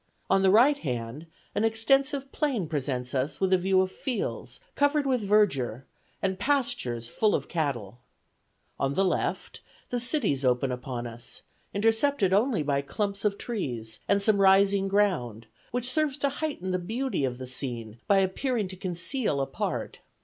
On the right hand, an extensive plain presents us with a view of fields covered with verdure, and pastures full of cattle. On the left, the city opens upon us, intercepted only by clumps of trees, and some rising ground, which serves to heighten the beauty of the scene, by appearing to conceal a part.